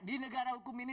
di negara hukum ini